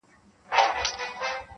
خداى وركړي عجايب وه صورتونه-